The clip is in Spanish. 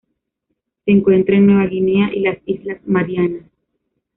Se encuentran en Nueva Guinea y las Islas Marianas.